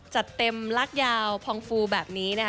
จัดเต็มลากยาวพองฟูแบบนี้นะคะ